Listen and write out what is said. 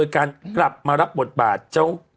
การกลับมารับบทบาทเจ้า